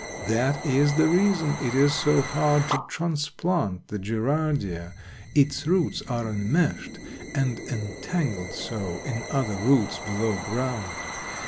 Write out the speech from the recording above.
That is the reason it is so hard to transplant the Gerardia—its roots are enmeshed and entangled so in other roots below ground.